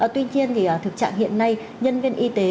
tuy nhiên thực trạng hiện nay nhân viên y tế